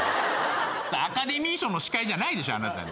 アカデミー賞の司会じゃないでしょあなた。